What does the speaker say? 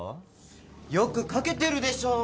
よく描けてるでしょ。